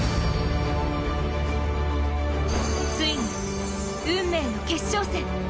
ついに運命の決勝戦。